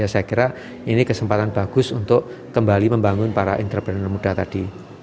saya kira ini kesempatan bagus untuk kembali membangun para entrepreneur muda tadi